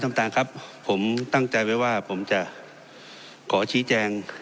ช้ำตะครับผมใต้ไว้ว่าผมจะขอชี้แจง